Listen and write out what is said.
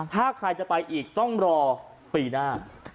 ถ้าใครจะไปอีกต้องรอปีหน้า